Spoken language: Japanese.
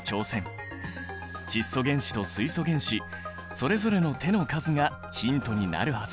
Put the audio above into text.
窒素原子と水素原子それぞれの手の数がヒントになるはず。